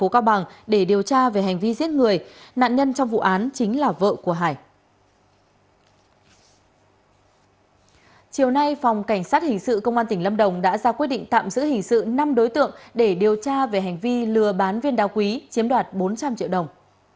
cảnh sát hình sự công an tỉnh lâm đồng đã ra quyết định tạm giữ hình sự năm đối tượng để điều tra về hành vi lừa bán viên đao quý chiếm đoạt bốn trăm linh triệu đồng